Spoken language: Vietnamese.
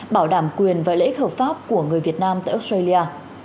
bảo đảm quyền và lợi ích hợp pháp của người việt nam tại australia